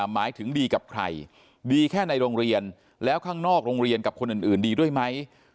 หมายถึงดีกับใครดีแค่ในโรงเรียนแล้วข้างนอกโรงเรียนกับคนอื่นดีด้วยไหม